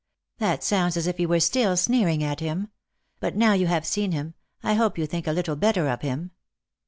" That sounds as if you were still sneering at him. But now you have seen him, I hope you think a little better of him."